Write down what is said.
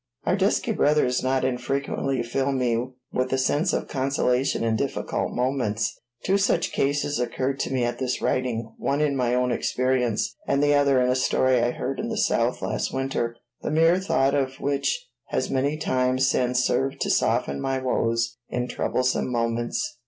Our dusky brothers not infrequently fill me with a sense of consolation in difficult moments. Two such cases occur to me at this writing; one in my own experience, and the other in a story I heard in the South last winter, the mere thought of which has many times since served to soften my woes in troublesome moments.